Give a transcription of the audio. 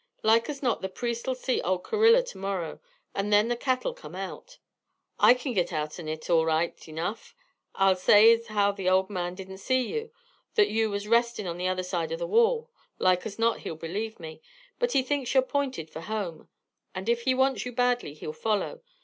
Like as not the priest'll see old Carriller to morrow, and then the cat'll come out. I kin git outen it all right enough I'll say as how the old man didn't see you, that you were restin' on the other side of the wall. Like as not he'll believe me, but he thinks you're pointed fur home, and if he wants you badly, he'll follow.